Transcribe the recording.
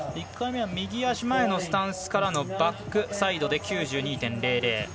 １回目は右足前のスタンスからのバックサイドで９２．００。